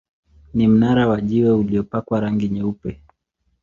Ni mnara wa jiwe uliopakwa rangi nyeupe.